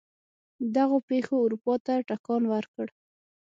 دغو پېښو اروپا ته ټکان ورکړ.